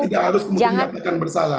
kita tidak harus kemudian menyatakan bersalah